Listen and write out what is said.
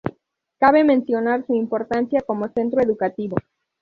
Cabe mencionar su importancia como centro educativo.